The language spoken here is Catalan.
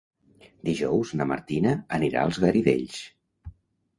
Dijous na Martina anirà als Garidells.